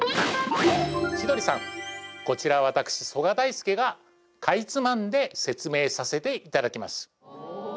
千鳥さんこちら私曽我大介がかいつまんで説明させていただきます